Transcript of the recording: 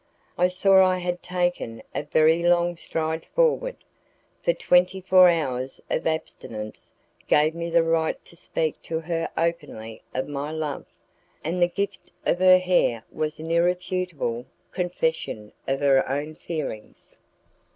I saw I had taken a very long stride forward, for twenty four hours of abstinence gave me the right to speak to her openly of my love, and the gift of her hair was an irrefutable confession of her own feelings.